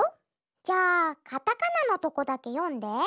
じゃあカタカナのとこだけよんで。